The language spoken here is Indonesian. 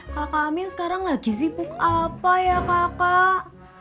kakak amin sekarang lagi sibuk apa ya kakak